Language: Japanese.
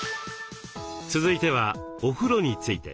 続いてはお風呂について。